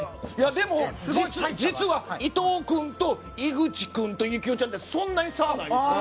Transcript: でも、実は伊藤君と井口君と行雄ちゃんってそんなに差はないんですよ。